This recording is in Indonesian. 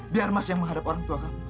biar mas yang menghadap orangtuaku